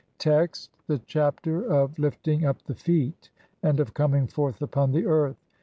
Bl. 27). Text : (1) THE CHAPTER OF LIFTING UP THE FEET AND OF COMING FORTH UPON THE EARTH.